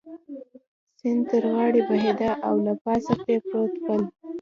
سیند تر غاړې بهېده او له پاسه پرې پروت پل.